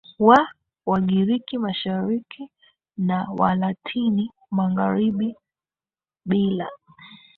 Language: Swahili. wa Wagiriki mashariki na Walatini magharibi bila